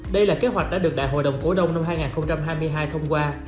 đây là kế hoạch đã được đại hội đồng cổ đông năm hai nghìn hai mươi hai thông qua